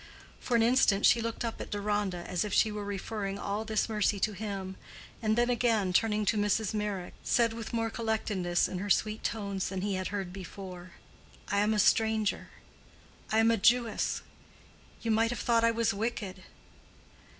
For an instant she looked up at Deronda, as if she were referring all this mercy to him, and then again turning to Mrs. Meyrick, said with more collectedness in her sweet tones than he had heard before, "I am a stranger. I am a Jewess. You might have thought I was wicked."